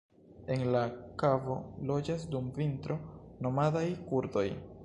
En la kavo loĝas dum vintro nomadaj kurdoj.